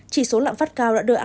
tôi đã thấy tất cả này trước